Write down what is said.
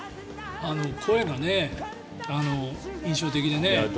声が印象的でね。